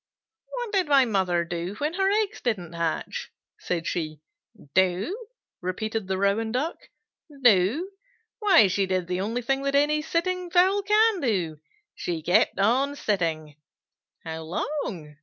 "What did my mother do when her eggs didn't hatch?" said she. "Do?" repeated the Rouen Duck. "Do? Why she did the only thing that any sitting fowl can do. She kept on sitting." "How long?"